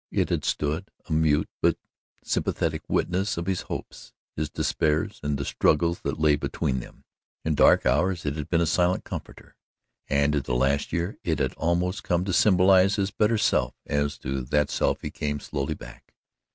It had stood a mute but sympathetic witness of his hopes, his despairs and the struggles that lay between them. In dark hours it had been a silent comforter, and in the last year it had almost come to symbolize his better self as to that self he came slowly back.